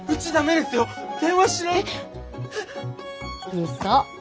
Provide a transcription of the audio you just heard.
うそ。